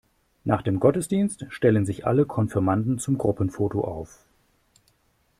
Nach dem Gottesdienst stellen sich alle Konfirmanden zum Gruppenfoto auf.